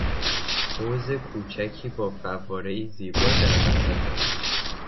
حوض کوچکی با فوارهای زیبا در وسط آن.